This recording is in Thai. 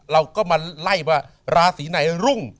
เราก็มาไล่ว่าราศีไหนรุ่ง